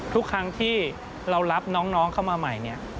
ทุกครั้งที่เรารับน้องเข้ามาใหม่เนี่ย